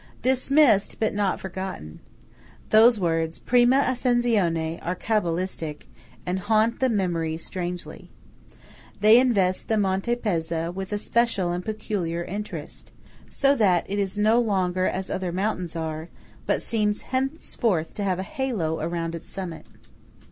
Dismissed, but not forgotten. Those words "prima ascenzione" are Cabalistic, and haunt the memory strangely. They invest the Monte Pezza with a special and peculiar interest; so that it is no longer as other mountains are, but seems henceforth to have a halo round its summit.